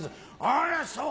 「あらそう」